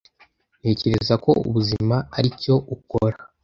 Ntekereza ko ubuzima aricyo ukora.